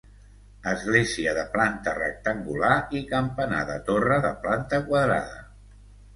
Església de planta rectangular i campanar de torre, de planta quadrada.